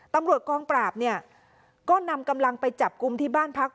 ตำรวจกองปราบเนี่ยก็นำกำลังไปจับกลุ่มที่บ้านพัก